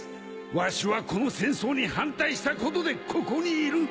わしはこの戦争に反対したことでここにいる。